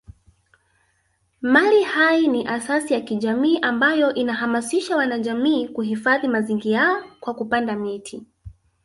Mali Hai ni asasi ya kijamii ambayo inahamasisha wanajamii kuhifadhi mazingiÅa kwa kupanda miti